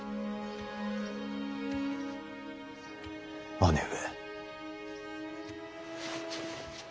姉上。